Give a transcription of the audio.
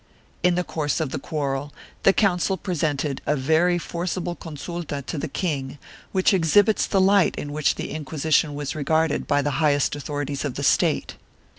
In the course of the quarrel the Council presented a very forcible consulta to the king which exhibits the light in which the Inqui sition was regarded by the highest authorities of the State.